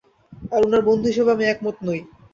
আর উনার বন্ধু হিসাবে, আমি একমত নই।